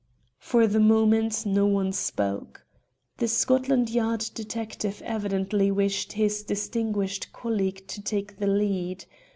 For the moment no one spoke. The Scotland Yard detective evidently wished his distinguished colleague to take the lead.